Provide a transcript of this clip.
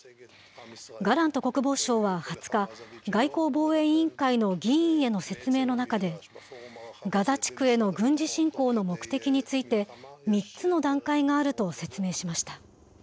ガラント国防相は２０日、外交防衛委員会の議員への説明の中で、ガザ地区への軍事侵攻の目的について、３つの段階があると説明しました。